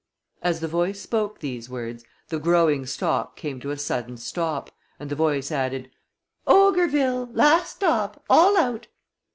As the voice spoke these words the growing stalk came to a sudden stop, and the voice added: "Ogreville! Last stop! All out!"